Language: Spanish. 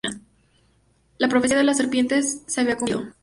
La profecía de la serpiente se había cumplido.